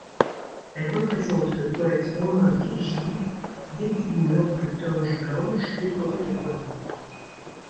Elle représente le poète romain Virgile, vêtu d'une ample toge blanche décorée de broderies.